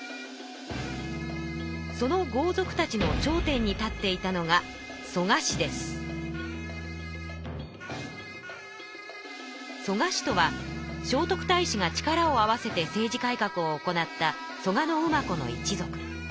その豪族たちの頂点に立っていたのが蘇我氏とは聖徳太子が力を合わせて政治改革を行った蘇我馬子の一族。